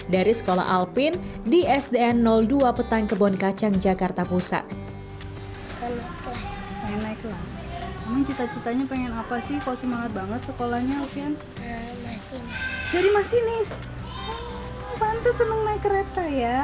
dari sekolah alpin di sdn dua petang kebon kacang jakarta pusat